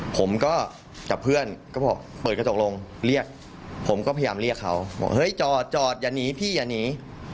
ผมก็กับเพื่อนก็บอกเปิดกระจกลงเรียกผมก็พยายามเรียกเขาบอกเฮ้ยจอดจอดอย่าหนีพี่อย่าหนี